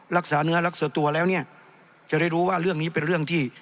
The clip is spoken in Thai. รักษาเนื้อรักษาตัวแล้วเนี่ยจะได้รู้ว่าเรื่องนี้เป็นเรื่องที่